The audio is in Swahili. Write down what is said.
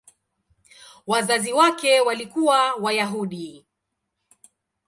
Wazazi wake walikuwa Wayahudi.